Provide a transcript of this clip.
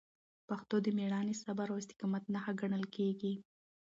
پښتو د میړانې، صبر او استقامت نښه ګڼل کېږي.